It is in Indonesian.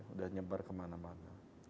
udah nyebar kemana mana